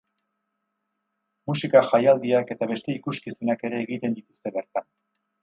Musika jaialdiak eta beste ikuskizunak ere egiten dituzte bertan.